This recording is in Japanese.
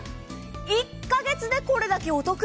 １か月でこれだけお得。